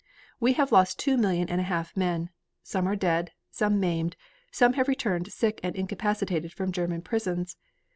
"We have lost two million and a half men; some are dead, some maimed, some have returned sick and incapacitated from German prisons.